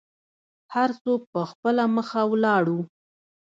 هر څوک په خپله مخه ولاړو.